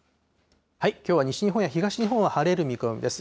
きょうは西日本や東日本は晴れる見込みです。